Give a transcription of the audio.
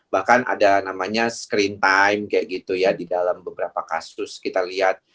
bahkan ada namanya screen time kayak gitu ya di dalam beberapa kasus kita lihat